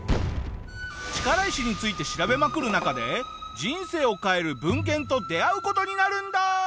力石について調べまくる中で人生を変える文献と出会う事になるんだ！